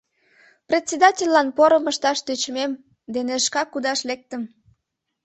Председательлан порым ышташ тӧчымем дене шкак удаш лектым!